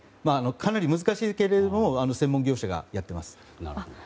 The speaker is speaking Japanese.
かなり難しいけれど専門業者がやっています。